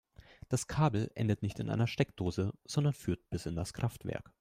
Das Kabel endet nicht in einer Steckdose, sondern führt bis in das Kraftwerk.